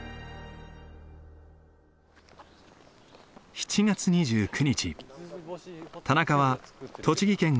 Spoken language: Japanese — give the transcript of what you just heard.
７月２９日田中は栃木県奥